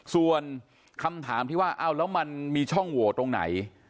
ส่วนคำถามที่ว่าเอาแล้วมันมีช่องโหวตตรงไหน